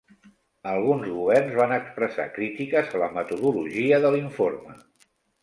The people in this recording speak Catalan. Alguns governs van expressar crítiques a la metodologia de l'informe.